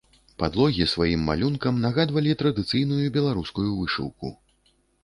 Падлогі сваім малюнкам нагадвалі традыцыйную беларускую вышыўку.